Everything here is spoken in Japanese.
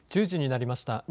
１０時になりました。